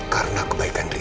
kalau gue udah masih disini